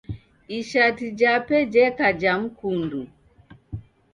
Ishati jape jeka ja mkundu.